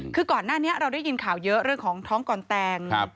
คือก่อนหน้านี้เราได้ยินข่าวเยอะเรื่องของท้องก่อนแต่ง